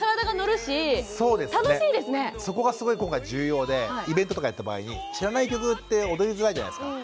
そこがすごい今回重要でイベントとかやった場合に知らない曲って踊りづらいじゃないですか。